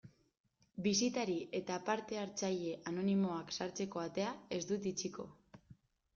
Bisitari eta parte hartzaile anonimoak sartzeko atea ez dut itxiko.